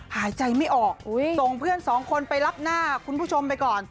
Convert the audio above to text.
หายใจไม่ออกส่งเพื่อนสองคนไปรับหน้าคุณผู้ชมไปก่อน